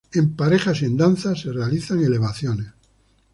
En parejas y en danza se realizan elevaciones.